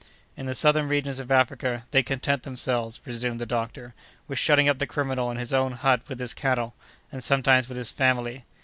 "In the southern regions of Africa, they content themselves," resumed the doctor, "with shutting up the criminal in his own hut with his cattle, and sometimes with his family.